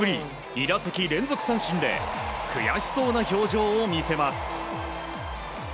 ２打席連続三振で悔しそうな表情を見せます。